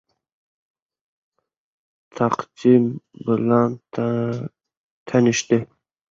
Shavkat Mirziyoyev Toshkentda issiqlik ta’minoti tizimini modernizasiya qilish loyihasi taqdimoti bilan tanishdi